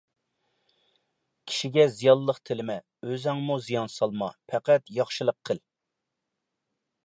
كىشىگە زىيانلىق تىلىمە، ئۆزۈڭمۇ زىيان سالما، پەقەت ياخشىلىق قىل.